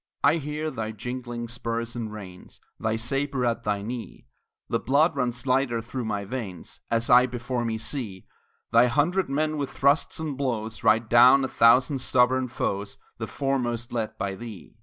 I hear thy jingling spurs and reins, Thy sabre at thy knee; The blood runs lighter through my veins, As I before me see Thy hundred men with thrusts and blows Ride down a thousand stubborn foes, The foremost led by thee.